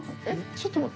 えっ？